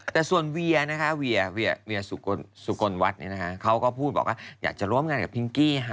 แต่ส่วนเวียนะคะเวียสุกลวัฒน์เขาก็พูดบอกว่าอยากจะร่วมงานกับพิงกี้ค่ะ